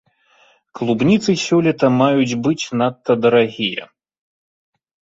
Клубніцы сёлета маюць быць надта дарагія.